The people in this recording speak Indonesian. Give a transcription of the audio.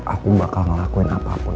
aku bakal ngelakuin apapun